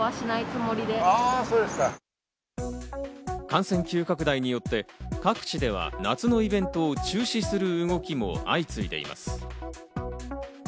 感染急拡大によって、各地では夏のイベントを中止する動きも相次いでいます。